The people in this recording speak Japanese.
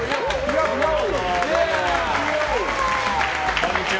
こんにちは。